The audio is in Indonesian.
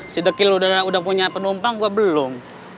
si dekil udah punya penumpang gue belum